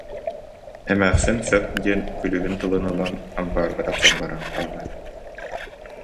Эмээхсин сөп диэн, күлүүһүн тылын ылан, ампаарга тахсан баран хаалар